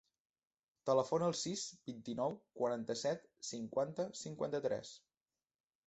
Telefona al sis, vint-i-nou, quaranta-set, cinquanta, cinquanta-tres.